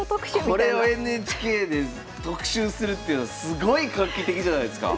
これをＮＨＫで特集するっていうのすごい画期的じゃないすか？